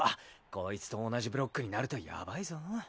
こいつと同じブロックになるとやばいぞ。